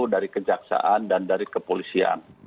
dari kejaksaan dan dari kepolisian